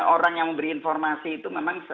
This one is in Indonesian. orang yang memberi informasi itu memang